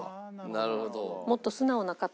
なるほど。